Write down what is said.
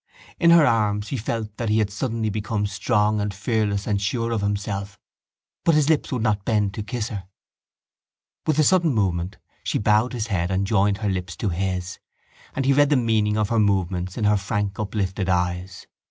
In her arms he felt that he had suddenly become strong and fearless and sure of himself. But his lips would not bend to kiss her. With a sudden movement she bowed his head and joined her lips to his and he read the meaning of her movements in her frank uplifted eyes.